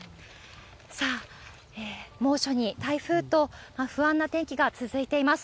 さあ、猛暑に台風と、不安な天気が続いています。